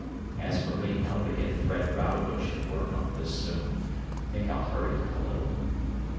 As for me I want to get Fred Rodebush at work on this soon think I'll hurry it up a little."